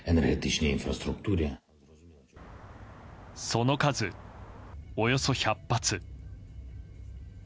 その数およそ１００発。